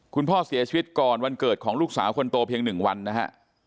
คุณพ่อเสียชีวิตก่อนวันเกิดของลูกสาวคนโตเพียง๑วันนะฮะ